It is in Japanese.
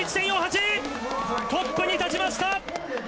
トップに立ちました！